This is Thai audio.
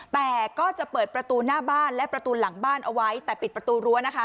แต่ก็จะเปิดประตูหน้าบ้านและประตูหลังบ้านเอาไว้แต่ปิดประตูรั้วนะคะ